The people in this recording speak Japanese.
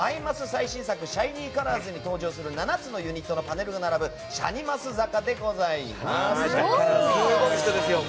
最新作「シャイニーカラーズ」に登場する７つのユニットのパネルが並ぶシャニマス坂でございます。